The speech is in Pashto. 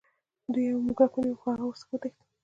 دوی یو موږک ونیو خو هغه ورڅخه وتښتید.